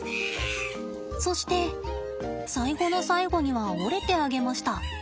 そして最後の最後には折れてあげました。